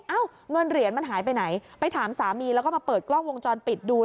เงินเหรียญมันหายไปไหนไปถามสามีแล้วก็มาเปิดกล้องวงจรปิดดู